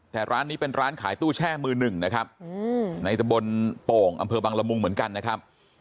แต่ร้านนี้เป็นร้านขายตู้แช่มือหนึ่งนะครับในตะบนโป่งอำเภอบังละมุงเหมือนกันนะครับ